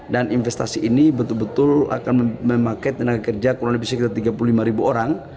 investasi ini betul betul akan memakai tenaga kerja kurang lebih sekitar tiga puluh lima ribu orang